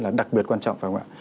là đặc biệt quan trọng phải không ạ